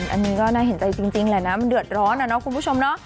อันนี้ก็น่าเห็นใจจริงแหละนะมันเดือดร้อนนะเนาะคุณผู้ชมเนาะ